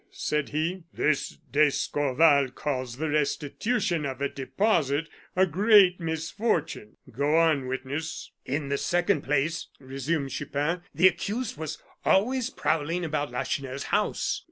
said he. "This d'Escorval calls the restitution of a deposit a great misfortune! Go on, witness." "In the second place," resumed Chupin, "the accused was always prowling about Lacheneur's house."